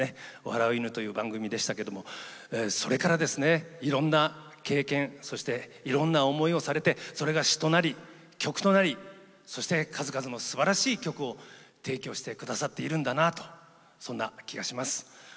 「笑う犬」という番組でしたけどそれから、いろんな経験いろんな思いをされてそれが詞となり曲となりそして、数々のすばらしい曲を提供してくださっているんだなとそんな気がします。